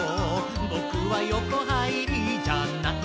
「ぼくはよこはいりじゃない」